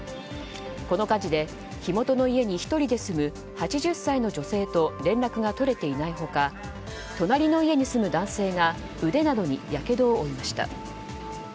この火事で火元の家に１人で住む８０歳の女性と連絡が取れていない他隣の家に住む男性が腕などにやけどを負いました。